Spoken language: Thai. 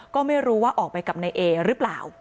ก็ไม่รู้ว่าออกไปกับนายเอหรือเปล่า